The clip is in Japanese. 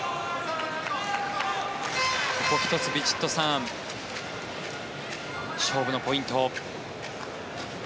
ここ１つ、ヴィチットサーン勝負のポイント。